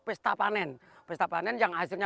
pesta panen pesta panen yang hasilnya